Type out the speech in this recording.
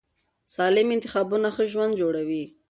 سالم انتخابونه ښه ژوند جوړوي.